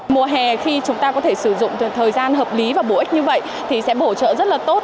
mùa hè khi chúng ta có thể sử dụng thời gian hợp lý và bổ ích như vậy thì sẽ bổ trợ rất là tốt